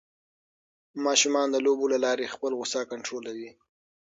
ماشومان د لوبو له لارې خپل غوسه کنټرولوي.